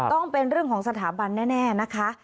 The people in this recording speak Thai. ต้องเป็นเรื่องของสถาบันแน่นะคะ